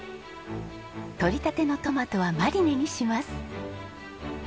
とりたてのトマトはマリネにします。